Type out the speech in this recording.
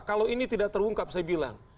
kalau ini tidak terungkap saya bilang